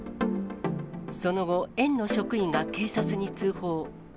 その後、園の職員が警察に通報。